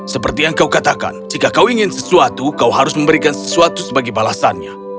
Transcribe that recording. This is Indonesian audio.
seperti yang kau katakan jika kau ingin sesuatu kau harus memberikan sesuatu sebagai balasannya